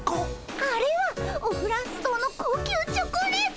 あれはオフランス堂の高級チョコレート！